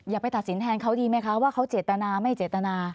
ไปตัดสินแทนเขาดีไหมคะว่าเขาเจตนาไม่เจตนา